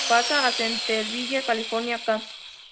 Pasa a Centerville, California, ca.